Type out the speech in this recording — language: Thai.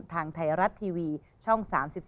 ทางไทยรัฐทีวีช่อง๓๒